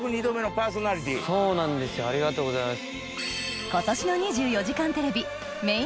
そうなんですよありがとうございます。